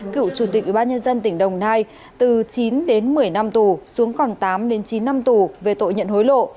cựu chủ tịch ủy ban nhân dân tỉnh đồng nai từ chín đến một mươi năm tù xuống còn tám đến chín năm tù về tội nhận hối lộ